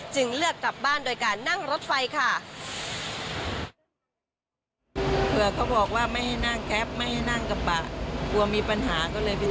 เลือกกลับบ้านโดยการนั่งรถไฟค่ะ